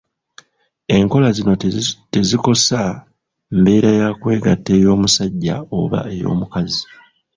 Enkola zino tezikosa mbeera ya kwegatta ey'omusajja oba ey'omukazi.